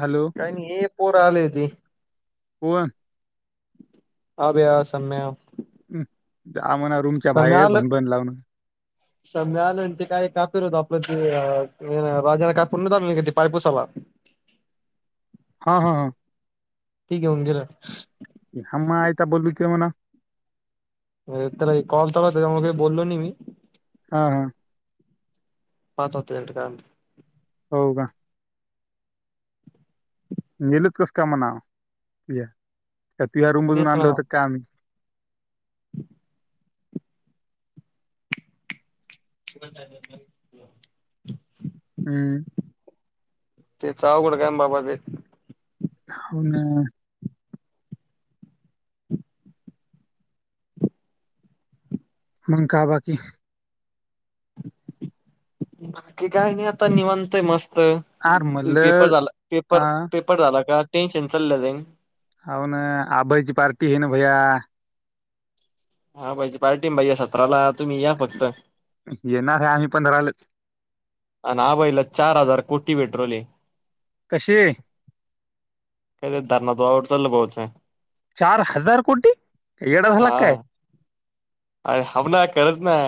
Hello काही हे पोर आले ते [unintelligible] अभ्या सम्या हम आम्हाणा रूमच्या सम्या बाहेर आलं भन-भन लावून सम्या मिळालं ते काही कापीर होत आपलं त राजाना कापर न्हवत का आणलं ते पारपूसाला हा-हा-हा ठीक ये घेऊन गेलं हम्मा आयता बोलू ते म्हणा त्याला कॉलच होता त्याच्यामुळे का बोललो नाही मी हा-हा पाच होत त्याच्याकडं काय माहित हो का नेलत कस का म्हणा तुझ्या तुझ्या रूम बजून तेच आणलं ना होतं का आम्ही [inaudible] हम्म तेच अवघड काय बाबा बे हो ना मंग का बाकी बाकी काही नाही आता निवांतेय मस्त आर पेपर म्हणलं झाला अ पेपर-पेपर झाला का टेन्शन चाललं जाईन. अव ना आभईची पार्टी आहे ना भैया हा पाहिजे पार्टी पाहिजे सतराला तुम्ही या फक्त येणार आहे आम्ही पंधरालाच आणि आभईला चार हजार कोटी भेटू राहीले. कसे [unintelligible] चार हजार कोटी काय येडा झाला हा काय अरे हव ना खरंच ना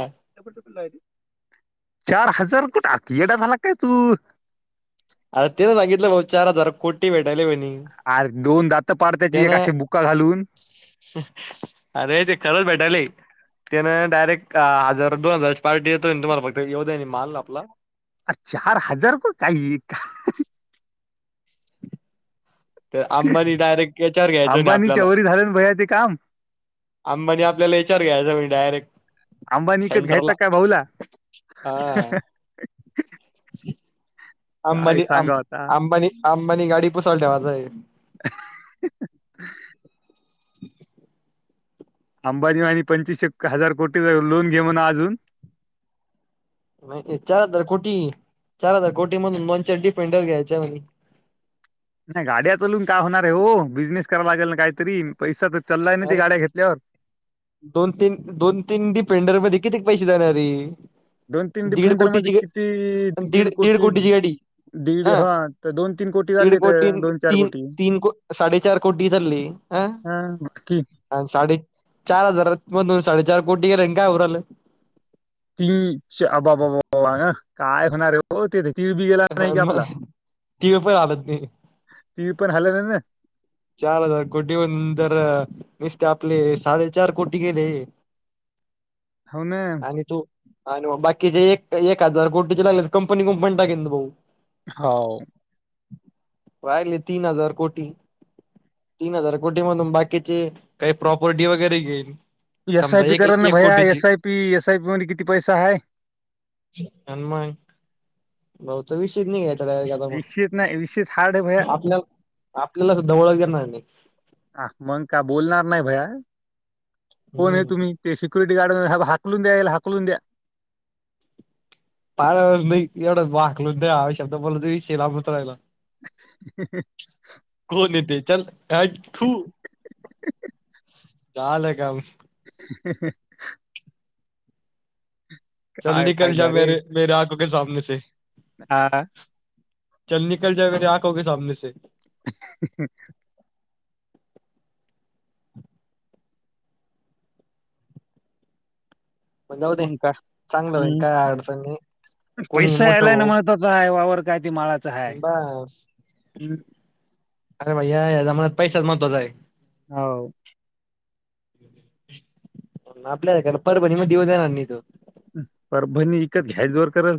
चार हजार कुठं येडा झाला का काय तू अरे ते ना सांगितलं ग चार हजार कोटी भेटायले भणी अरे दोन दात पाड त्याची एक त्यांना अशी बुक्का घालून अरे ते खरच भेटाले. त्यान डायरेक्ट हजार दो हजारची पार्टी येतो तुम्हाला फक्त येऊ द आहे माल आपला आ चार हजार को काहि का तर अंबानी डायरेक्ट ह्यच्यावर घ्यायच नाही अंबानीच्या आपल्याला वरी झालं ना भैया ते काम अंबानी आपल्याला याच्यावर घ्यायचं म्हणे डायरेक्ट अंबानी विकत घ्यायचा सेंटरला काय भाऊला हा-हा काय सांगा आता अंबानी-अंबानी-अंबानी गाडी पुसायला ठेवायच आहे. [inaudible] [inaudible] अंबानी मा आणि पंचवीसशे हजार कोटी लोन घे म्हना अजून नाही चार हजार कोटी चार हजार कोटी मधून दोन चार डिफेंडर घ्यायचे म्हणे नाही गाड्यातलून काय होणार आहे हो बिझनेस करायला लागेल ना काहीतरी पैसा तर चाललाय ना ते अरे गाड्या घेतल्यावर दोन तीन दोन तीन डिफेंडर मध्ये कित्येक पैसे देणारी दोन तीन डिफेंडर मध्ये किती दीड कोटी दीड अ हा तर दोन तीन कोटी दीड व्हलूलीत दोन चार तीन कोटी तीन को साडेचार कोटी धरली अ हा आणि साडे चार हजार मधून साडेचार कोटी गेला काय उरलं ती अबाबा काय होणारे हो ते तीळ बी गेला नाही कि मग आपला ती पण हालत नाही तीळ पण हलेलं ना चार हजार कोटी होन जर नसते आपले साडेचार कोटी गेले. आणि तू [inaudible] आणि मग बाकीचे एक एक हजार कोटीचे लागले तर कंपनी कुंपनी टाकेन भाऊ हो राहिले तीन हजार कोटी. तीन हजार कोटी मधून बाकीचे काही प्रॉपर्टी वगैरे घेईल. एस आय पी कारण ना भैया S I P S I P मध्ये किती पैसा आहेा. हनुमाग भाऊ त विषच नाही घ ग विषयच नाही विषयच हार्ड आहे भैया आपल्या, जनवळत घेणार नाही. हा, मग का बोलणार नाही भैया कोण आहे हम्म तुम्ही ते स्यु गाड हाकलून द्याला हाकलून द्या- पा नाही एवढं वाकलो नाही हा शब्द बोलला त विषेलाभत राहिला. कोन य ते चल. काू चालं काम ह चल निकल फायदा जा म रे मेर आखो के समने से. हा, चल निकल जाय रे आखोे सामने स हह मण जाऊ दे मग का चांगलं होईन हम्म. काय अडचण नाही कोणी पैसा मोठं आलाय ना हो महत्वाचा हा वावर काय ते माळाचा हाय बस हम्. अरे भैय्या ह्या जमान्यात पैसाच आहे. हो आपल्याला का परभणी मग देऊ देणार नाही तो. परभणी इकत घ्याय जर करल.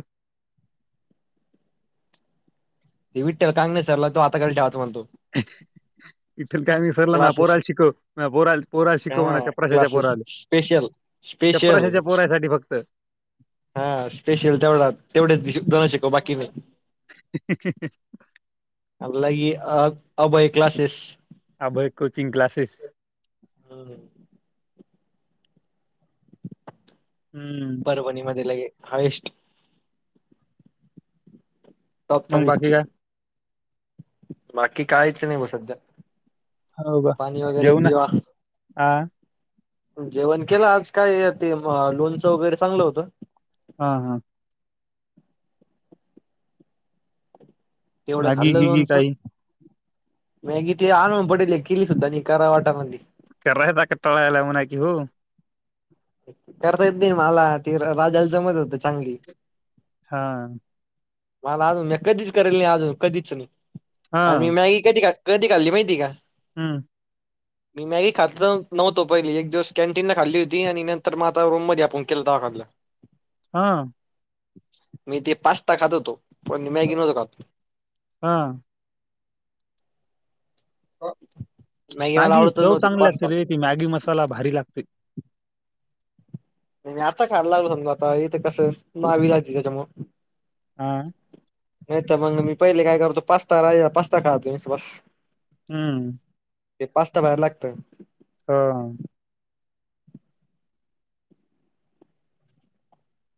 ते विठल काां नाही सरला तो आताडेच्याहत म्हतो ह इथल काय मी सरला ना क्लासेस पोराला शिकव पोरा पोराला शिकव म्हणा हा चपराशाच्या क्लासेस पोराला. स्पेशल स्पेशल चपराशाच्या पोरा्यासाठी फक्त हा स्पेशल तेवढा तेवढ्याचण शिकव बाकी नाही. आपलागी अ Abhay classes. Abhay coaching classes. हो हम्म परभणी मध्ये लगे हायस्ट. टोपचा मग बाकी वक्ती काय बाकी कायच नाही ग सध्या. हो का पाणी वगैरे जेवण पिवा. आ जेवण केलं आज काय ते लोणचं वगैरे चांगलं होतं. हा हा तेवढं मॅगी खाल्लं गिगी लोनच. काही मगि ते आणून पडेल किली सुद्धा नि करावाटामध्ये. कर राहता का टाळायला म्हना की हो. करता येत नाही मला ते राजाला जमत होत चांगली. हा मला अजून कधीच करेल नाही अजून कधीच नाही हा आणि मी मॅगी कधी खा कधी घल्ली माहिती का? हम मी मॅगी खातल नव्हतो पहिली एक दिवस कॅनटीन न खाल्ली होती आणि र मग आता रूम मध्ये आपण केलं तेव्हा खाल्लं. हा मी ते पास्ता खात होतो पण मी मॅगी नव्हतो खात. हा मला मॅगी आवडतच चव नव्हती चांगली लागते पास्ता रे ती मॅगी मसाला भारी लागते. नाही आता खायला लागलो समजा आता इथे कसं मावी लागते त्याच्यामु आह नाही तर मग मी पहिले काय करतो पास्ताा पास्ता खळ तोी बस हम्म ते पाचट बाहेर लागत हा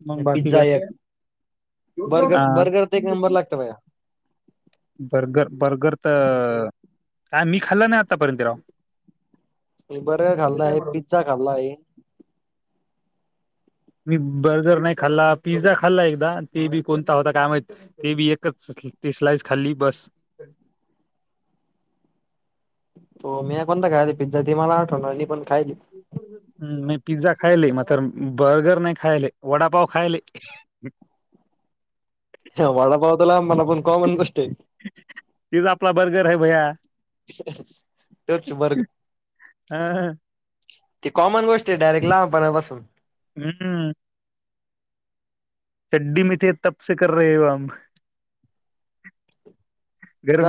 मग बाकी पिझ्झा काय एक बर्गर हा बर्गर ते एक नंबर लागत बाया बर्गर बर्गर तर काय मी खाल्लं नाही आतापर्यंत राह म बर्गर खाल्ला आहे पिझ्झा खाल्ला आहे मी बर्गर नाही खाल्ला पिझ्झा खाल्ला एकदा ते बी कोणता होता काय माहि ते बी एकच की स्लाइस खाल्ली बस त मी कोणता कायला पिझ्झा ते मला आठवणार पण खायली हम्म म पिझ्झा खाले मात्र बर्गर नाही खाले वडापाव खाले [inaudible] वाडा पावतला आ मला पण कॉमन गष्ट आहे तिच आपला बर्गर आहे भैया तोच बर्गर हा ह ती कॉमन गोष्ट आहे डायरेक्ट लहानपणापासून हम्म हड्डी मी तेे तपसे कर र आम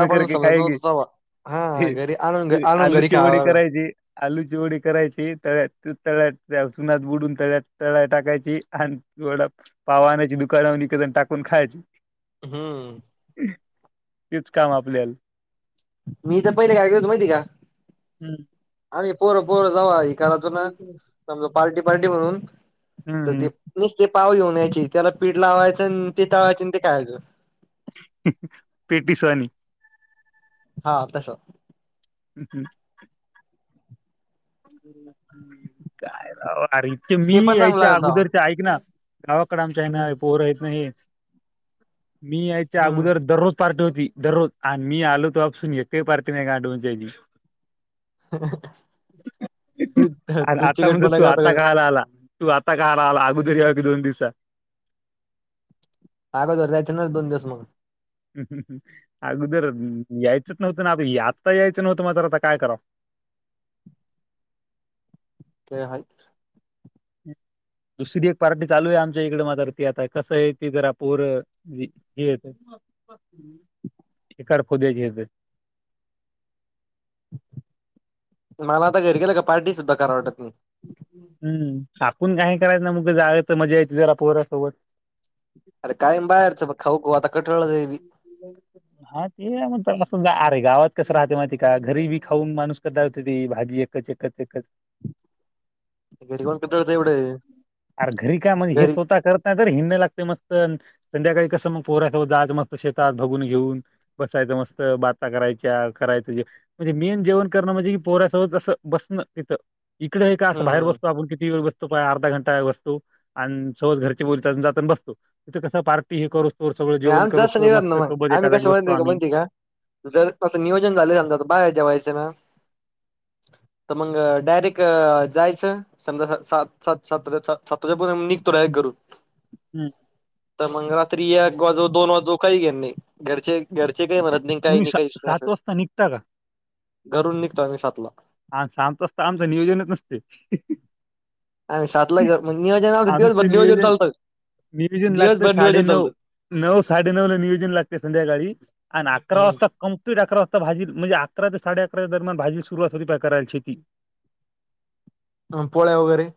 आपण समजत नव्हत हा ते- घरी आणून आणून घरी आलूची ओडी खावा करायची आलूची ओडी करायची तळ्यातू तळ्यात त्या सुनात बुडून तळ्या तळ टाकायची आणिवड पाव आणायची दुकानावर इद टाकून खायची हम्म तीच काम आपल्याला मी तर पहिले काय केल होतो माहिती का हम्म आम्ही पोरं पोरं जाव को ना पार्टी पार्टी म्हणून तर हम्म ते पाव येऊनयची त्याला पीठ लावायचं आणि ते तळवायचं ते कळायचं पेटी स्वानी हा तस हम् हम् काय इतक मी ते पण चांगलं यायच्या लागत तवा अगोदरच्या ऐक ना गावाकडे आमच्या आहे ना हम्म पोहर यत नाही मी यायच्या हम्म अगोदर दररोज पार्टी होती दररोज आणि मी आलो तोपसून एकाही पार्टी नाही गढवून जायची ह अर आता म्हणजे तू आता कयला आला तू आता कायला आला अगोदरी दोन दिवसा अगोदर जायचं ना दोन दिवस मग अगोदर यायचंच नव्हतं ना आप आत्ता यायचं नव्हतं मगात्र आता काय करावं [inaudible] ते ह हम् दुसरी एक पार्टी चालू आहे आमच्या इकड मात्र ती आता कसं आहे ती जरा पोर हे येत ह ए फद्याचेेत मला आता घरी गेलं का पार्टी सुद्धा करावटत नाही हम्म ाकून काही करायचं ना मुग जायच मजा यायेत जरा पोहरा्यासोबत अर कायम बाहेरच खाऊ ख आता क हा ते आहे मग तला सुद्धा ताई गावात कसं राहते माहिती का घरी बी खाऊन माणूस कटाळतो बे भाजी एकच एकच एकच घरी कोण कंटाळतं एवढं अर घरी का म्हणजे हे घरी स्वतः करतात हिड लागते मस्त संध्याकाळी कसं मग पोर जा मस् शेतात भघून घेऊन बसायच मस्त बाता करायच्या करायच म्हणजे मेन जेवण कर म्हे की पोऱ्यासोबत अस बसणं तिं इकडे हे का हम्म बाहेर बसतो हम्म आपण किती वेळ बसत [unintelligible] अर्धा घंटा बसतो आणि सोज घरची बोलली जातना बसतो तिथे कस पार्टी हे करू त सगळ जेवण कर [unintelligible] [unintelligible] ना मग आम्ही कस म्हणते म्हणती का जर असं नियोजन झाले समजा तर बाहेर जेवायचं ना [inaudible] तर मग डायरेक्ट जायचं समजा सात स सात सात वाजेपर् निघतो रा [unintelligible] कररून हम्म. तर मग रात्री एक वाजू दोन वाजू काही घेन नाही घरचे घरचे काही म्हणत नाही काही तुम्ही नाही सा काही नाही सात असे वाजता निघता का घरून निघतो आम्ही सातला आम सांत असत आमचं नियोजनच नसते [unintelligible] आणि सातला घर मग नियोजना दिवसभर नियोजन चालतच नियोजन लागतं दिवसभर नियोजन साडेनऊ चालतं नऊ साडे नऊ ला नियोजन लागते संध्याकाळी आणि अकरा वाजता हम्म कंप्लीट अकरा वाजता भाजी म्हणजे अकरा ते साडे अकरा दरम्यान भाजी सुरुवात होती पय करायला शेती पोळ्या वगैरे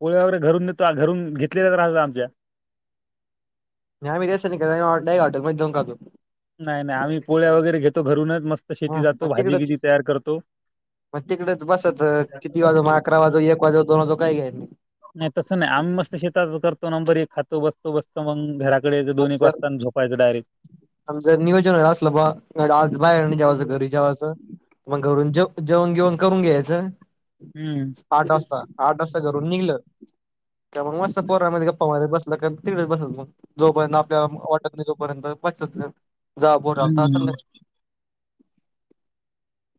पोळ वगैरे घरून नेतो घरून घेतलेल्या तर राह आमच्या नाही मी तेट मा दोन घातो [unintelligible] नाही नाही आम्ही पोळ्या वगैरे घेतो घरूनच मस्त शेती हा मग जातो भाजी तिकडच बीजी तयार करतो. मग तिकडेच बसच किती वाजू म अकरा वाजू, एक वाजू, दोन वाजू, काय घय नाही तसं नाही आम्ही मस्त शेतात करतो नंबर एक खातो बसतो बसतो मग घराकडे दोन्ही जर पास्ताना झोपायचं डायरेक्ट. जर नियोजन वला अस बा आज बाहेर जेवायचं घरी जेवायचं मग घ जेव जेवण बिवन करून घ्यायचं हम्म आठ वाजता आठ वाजता घरून निघलं.. का मग मस्त पोरामध्ये पवायला बसला का तिकडच बसायचं मग जोपर्यंत आपल्या वाट जोपर्यंत प जा बोटालता ल हम्म.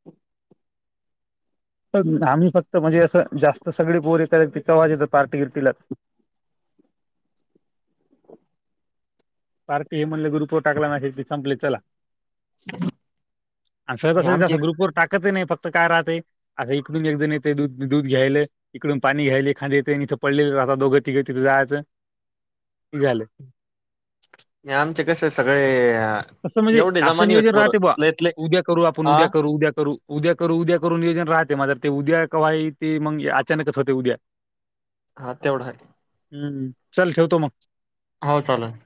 [unintelligible] [inaudible] आम्ही फक्त म्हणजे असं जास्त सगळे पोरी करय पिकवाजे तर पार्टी बिर्तीलाच [inaudible] पार्टी हे म्हणले गुरुपवर टाकला नाही की संपले चला आणि स्वतः आमचे ग्रुप वर टाक फक्त काय राहते आता इकडून एक जण येते द दूध घ्यायल इकडून पाणी घ्यायले खांली येते तथ पडले रात दोघं तिघे तिथं जायचं झालं हे आमचे कसे सगळे अ तसं म्हणजे असं नियोजन राहते बा उद्या करू आपण हा उद्या करू उद्या करू उद्या करू उद्या करून नियोजन राहते माझं ते उद्या कावा ते मग अचानकच होते उद्या. हा तेवढा आहे. हम्म चल ठेवतो मग. हो चालेल.